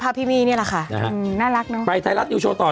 ใหม่อีกอยากรู้